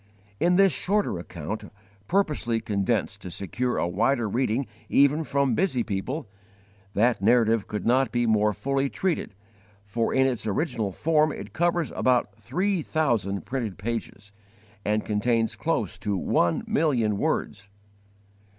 In this shorter account, purposely condensed to secure a wider reading even from busy people, that narrative could not be more fully treated, for in its original form it covers about three thousand printed pages, and contains close to one million words.